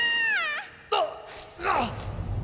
あっああっ！